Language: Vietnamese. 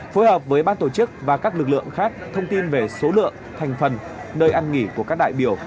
phối hợp với ban tổ chức và các lực lượng khác thông tin về số lượng thành phần nơi ăn nghỉ của các đại biểu